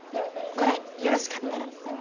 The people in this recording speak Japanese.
これよろしかったら。